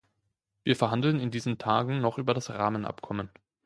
Wir verhandeln in diesen Tagen noch über das Rahmenabkommen.